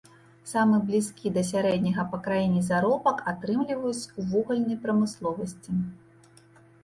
Самы блізкі да сярэдняга па краіне заробак атрымліваюць у вугальнай прамысловасці.